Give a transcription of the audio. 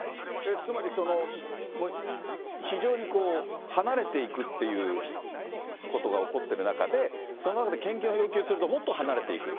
つまり、非常に離れていくっていうことが起こってる中で、その中で献金を要求すると、もっと離れていく。